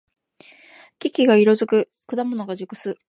木々が色づく。果物が熟す。